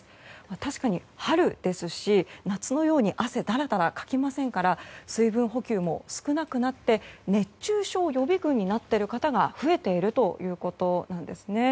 確かに春ですし、夏のように汗だらだらかきませんから水分補給も少なくなって熱中症予備軍になっている方が増えているということなんです。